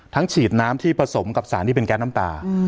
ฉีดน้ำที่ผสมกับสารที่เป็นแก๊สน้ำตา